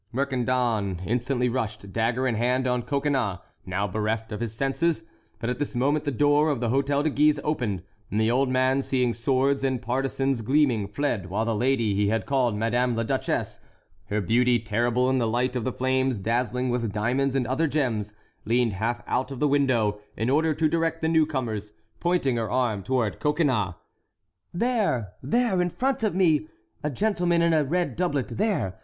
Mercandon instantly rushed, dagger in hand, on Coconnas, now bereft of his senses; but at this moment the door of the Hôtel de Guise opened, and the old man, seeing swords and partisans gleaming, fled, while the lady he had called "Madame la Duchesse," her beauty terrible in the light of the flames, dazzling with diamonds and other gems, leaned half out of the window, in order to direct the newcomers, pointing her arm toward Coconnas. "There! there! in front of me—a gentleman in a red doublet. There!